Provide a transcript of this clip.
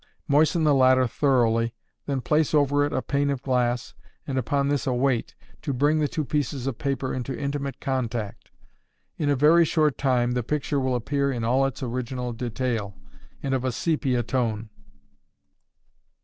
Moisten the latter thoroughly, then place over it a pane of glass, and upon this a weight, to bring the two pieces of paper into intimate contact. In a very short time the picture will appear in all its original detail, and of a sepia tone.